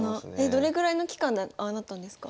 どれぐらいの期間でああなったんですか？